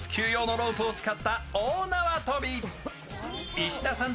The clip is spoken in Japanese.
石田さん